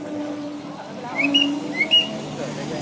สวัสดีครับทุกคน